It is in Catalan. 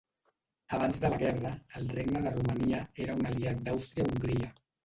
Abans de la guerra, el Regne de Romania era un aliat d'Àustria-Hongria.